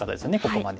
ここまで。